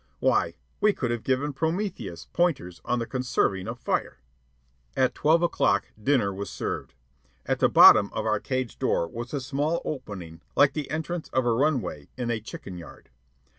Why, we could have given Prometheus pointers on the conserving of fire. At twelve o'clock dinner was served. At the bottom of our cage door was a small opening like the entrance of a runway in a chicken yard.